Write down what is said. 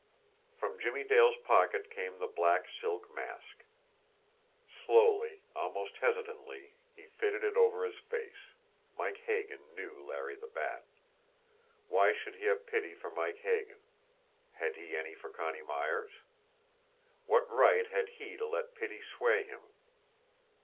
From Jimmie Dale's pocket came the black silk mask. Slowly, almost hesitantly, he fitted it over his face Mike Hagan knew Larry the Bat. Why should he have pity for Mike Hagan? Had he any for Connie Myers? What right had he to let pity sway him!